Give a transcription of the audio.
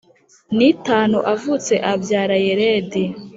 n itanu avutse abyara Yeredi